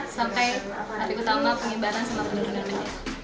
sampai hati utama penghibaran sama penduduk penduduk